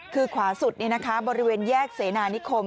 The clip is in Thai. คือขวาสุดเนี่ยนะคะบริเวณแยกเสนานิคม